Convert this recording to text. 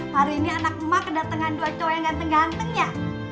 hari ini anak emak kedatengan dua cowok yang ganteng gantengnya